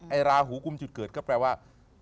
ราหูกุมจุดเกิดก็แปลว่า